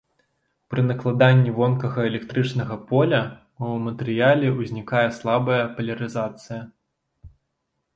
Пры накладанні вонкавага электрычнага поля ў матэрыяле ўзнікае слабая палярызацыя.